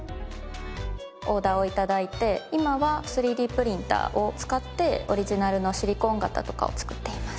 オーダーを頂いて今は３Ｄプリンターを使ってオリジナルのシリコン型とかを作っています。